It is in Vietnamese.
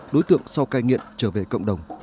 đối tượng sau cai nghiện trở về cộng đồng